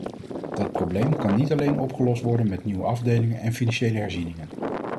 Dat probleem kan niet alleen opgelost worden met nieuwe afdelingen en financiële herzieningen.